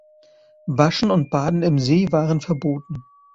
Waschen und Baden im See waren verboten.